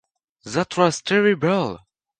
That was terrible.